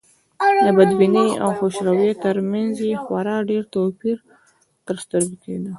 د بدبینۍ او خوشروی تر منځ یې خورا ډېر توپير تر سترګو کېده.